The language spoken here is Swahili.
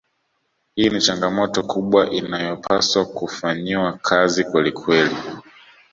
Hii ni changamoto kubwa inayopaswa kufanyiwa kazi kwelikweli